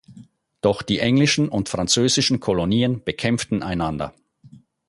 Doch die englischen und französischen Kolonien bekämpften einander.